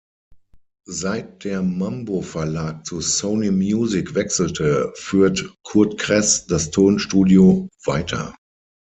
Seit der Mambo Verlag zu Sony Music wechselte, führt Curt Cress das Tonstudio weiter.